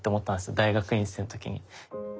大学院生の時に。